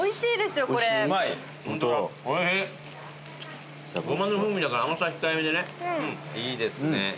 いいですね。